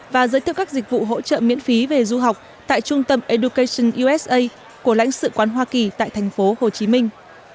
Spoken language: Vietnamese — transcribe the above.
và giới thiệu các dịch vụ hỗ trợ miễn phí về du học tại trung tâm education usa của lãnh sự quán hoa kỳ tại thành phố hồ chí minh